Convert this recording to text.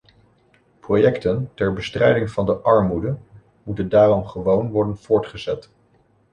Projecten ter bestrijding van de armoede moeten daarom gewoon worden voortgezet.